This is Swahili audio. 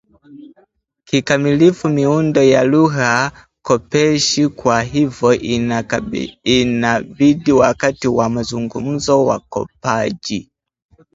kikamilifu miundo ya lugha kopeshi kwa hivyo inabidi wakati wa mazungumzo wakopaji